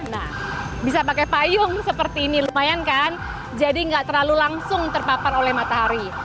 nah bisa pakai payung seperti ini lumayan kan jadi nggak terlalu langsung terpapar oleh matahari